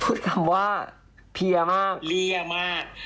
พูดคำว่าเพียร์มากเหลี้ยมาก